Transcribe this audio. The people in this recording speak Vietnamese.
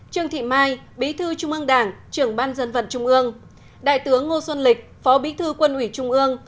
trương thị mai bí thư trung ương đảng trưởng ban dân vận trung ương đại tướng ngô xuân lịch phó bí thư quân ủy trung ương